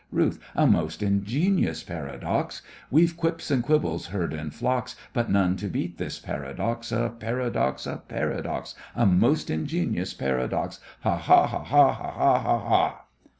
RUTH: A most ingenious paradox! We've quips and quibbles heard in flocks, But none to beat this paradox! A paradox, a paradox, A most ingenious paradox! Ha! ha! ha! ha! Ha! ha! ha! ha!